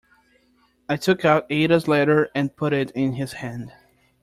I took out Ada's letter and put it in his hand.